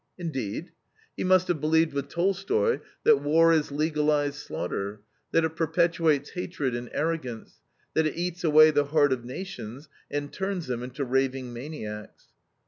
Indeed? He must have believed with Tolstoy that war is legalized slaughter, that it perpetuates hatred and arrogance, that it eats away the heart of nations, and turns them into raving maniacs.